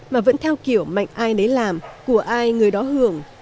mà vẫn theo kiểu mạnh ai nấy làm của ai người đó hưởng